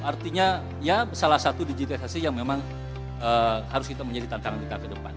artinya ya salah satu digitalisasi yang memang harus kita menjadi tantangan kita ke depan